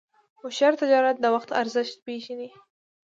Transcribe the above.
هوښیار تجارت د وخت ارزښت پېژني.